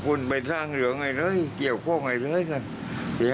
กูนไปทำเหลืองเว้ยเลย